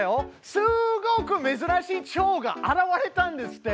すっごくめずらしいチョウが現れたんですって？